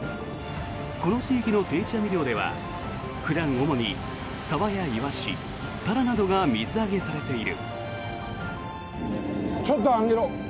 この地域の定置網漁では普段主にサバやイワシ、タラなどが水揚げされている。